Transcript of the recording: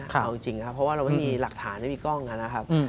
เอาจริงครับเพราะว่าเราไม่มีหลักฐานไม่มีกล้องนะครับ